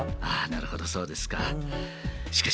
なるほど、そうですか。